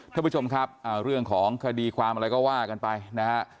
ท่านผู้ชมครับเรื่องของคดีความอะไรก็ว่ากันไปนะฮะ